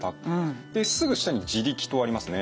ですぐ下に「自力」とありますね。